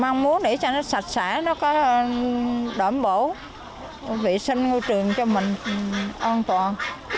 mong muốn để cho nó sạch sẽ nó có đổi bổ vệ sinh ngôi trường cho mình an toàn